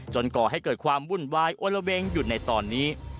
ก่อให้เกิดความวุ่นวายโอละเวงอยู่ในตอนนี้